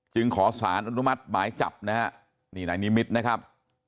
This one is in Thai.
ขอสารอนุมัติหมายจับนะฮะนี่นายนิมิตรนะครับ